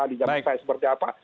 di jambi saya seperti apa